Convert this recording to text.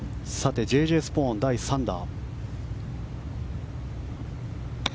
Ｊ・Ｊ・スポーン、第３打。